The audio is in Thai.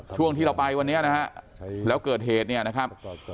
ช่วงที่เราไปวันนี้นะฮะแล้วเกิดเหตุเนี่ยนะครับ